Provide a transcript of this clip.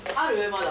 まだ。